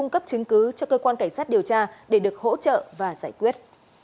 cảnh sát điều tra để được hỗ trợ và giải quyết